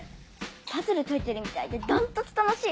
パズル解いてるみたいで断トツ楽しい！